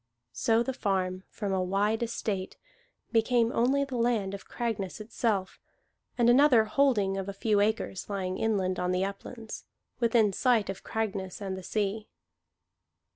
So the farm, from a wide estate, became only the land of Cragness itself, and another holding of a few acres, lying inland on the uplands, within sight of Cragness and the sea.